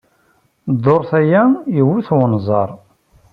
Dduṛt ay iwet wenẓar.